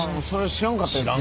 知らんかったです